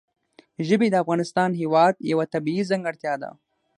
ژبې د افغانستان هېواد یوه طبیعي ځانګړتیا ده.